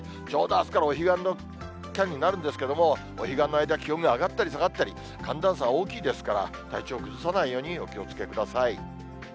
ちょうどあすからお彼岸の期間になるんですけど、お彼岸の間、気温が上がったり下がったり、寒暖差が大きいですから、体調崩さないようにお気をつけください。